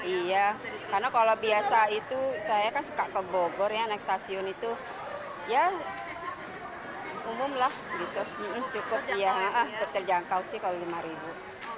iya karena kalau biasa itu saya kan suka ke bogor ya naik stasiun itu ya umum lah gitu cukup ya cukup terjangkau sih kalau lima ribu